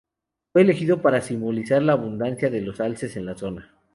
Fue elegido para simbolizar la abundancia de alces en la zona.